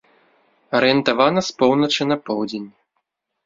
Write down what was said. Арыентавана з поўначы на поўдзень.